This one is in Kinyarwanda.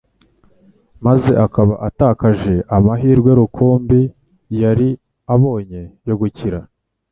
maze akaba atakaje amahirwe rukumbi yari abonye yo gukira.